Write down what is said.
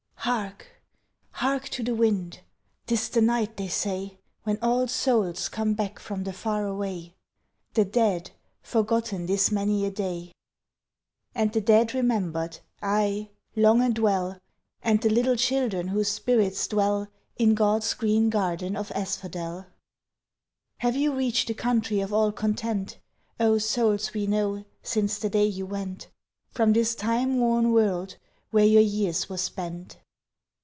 Hark! Hark to the wind! 'Tis the night, they say, When all souls come back from the far away The dead, forgotten this many a day! And the dead remembered ay! long and well And the little children whose spirits dwell In God's green garden of asphodel. Have you reached the country of all content, 0 souls we know, since the day you went From this time worn world, where your years were spent?